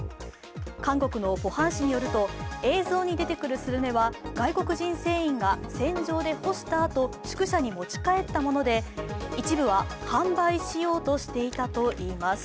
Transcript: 韓国のポハン市によると、映像に出てくるスルメは外国人船員が船上で干したあと宿舎に持ち帰ったもので一部は販売しようとしていたといいます。